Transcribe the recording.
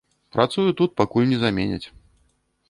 Працую тут, пакуль не заменяць.